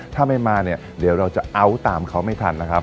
ถ้าไม่มาเนี่ยเดี๋ยวเราจะเอาท์ตามเขาไม่ทันนะครับ